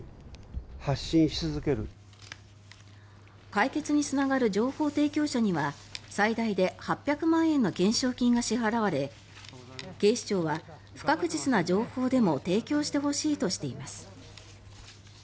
解決につながる情報提供者には最大で８００万円の懸賞金が支払われ警視庁は不確実な情報でも提供してほしいとしています。